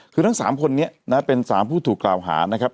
คือทั้งสามคนนี้นะครับเป็นสามผู้ถูกกล่าวหานะครับ